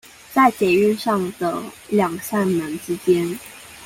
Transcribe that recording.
在捷運上的兩扇門之間